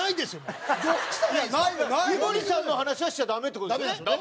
井森さんの話はしちゃダメっていう事ですよね？